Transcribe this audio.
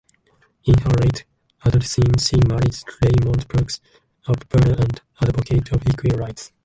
In her late-adolescence, she married Raymond Parks, a barber and advocate of equal rights.